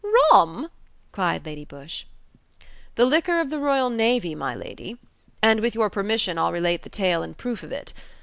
"Rum?" cried Lady Busshe. "The liquor of the Royal Navy, my lady. And with your permission, I'll relate the tale in proof of it.